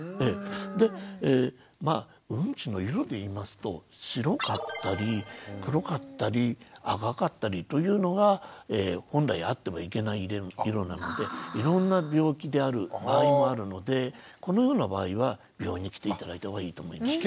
でまあウンチの色でいいますと白かったり黒かったり赤かったりというのが本来あってはいけない色なのでいろんな病気である場合もあるのでこのような場合は病院に来て頂いた方がいいと思います。